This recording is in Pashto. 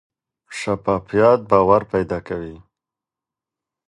شفافیت باور پیدا کوي